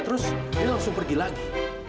terus dia langsung pergi lagi